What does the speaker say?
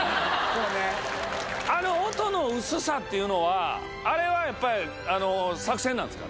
あの音の薄さっていうのはあれは作戦なんですか？